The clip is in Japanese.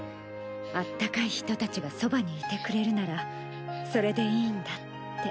「あったかい人たちがそばにいてくれるならそれでいいんだ」って。